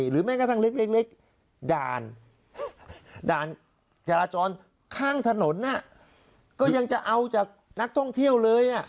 หรือแม้กระทั่งเล็กด่านด่านจารชนข้างถนนเนี่ยก็ยังจะเอาจากนักท่องเที่ยวเลยฮ่าน